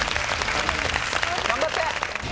頑張って！